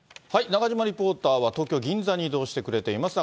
中島リポーターは、東京・銀座に移動してくれています。